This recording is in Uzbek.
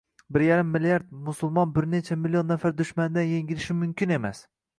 Bir yzrim milliard musulmon bir necha million nafar dushmandan yengilishi mumkin emas